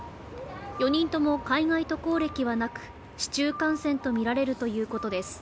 ４人とも海外渡航歴はなく、市中感染とみられるということです。